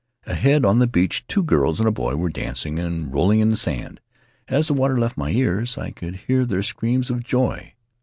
Ahead on the beach two girls and a boy were dancing and rolling in the sand; as the water left my ears I could hear their screams of joy.